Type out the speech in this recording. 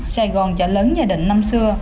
sài gòn trở lớn nhà định năm xưa